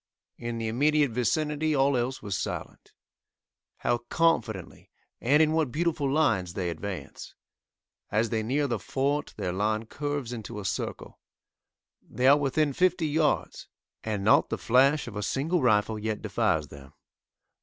In the immediate vicinity all else was silent. How confidently, and in what beautiful lines they advance! As they near the fort their line curves into a circle. They are within fifty yards, and not the flash of a single rifle yet defies them.